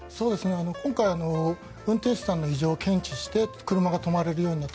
今回、運転手さんの異常を検知して車が止まれるようになった。